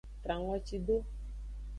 Tran ngoci do.